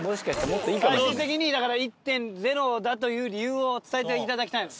最終的に１．０だという理由を伝えていただきたいんです。